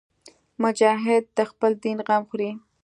مجاهد د خپل دین غم خوري.